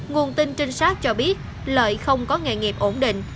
nguồn tin trinh sát cho biết lợi không có nghề nghiệp ổn định